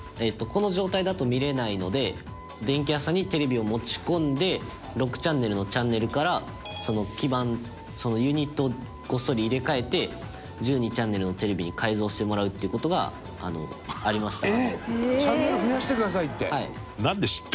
この状態だと見れないので電気屋さんにテレビを持ち込んで６チャンネルのチャンネルから基盤、ユニットをごっそり入れ替えて１２チャンネルのテレビに改造してもらうっていう事がありました。